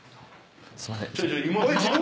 「すいません」